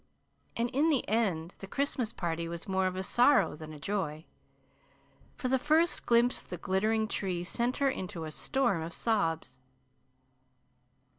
And in the end the Christmas party was more of a sorrow than a joy; for the first glimpse of the glittering tree sent her into a storm of sobs.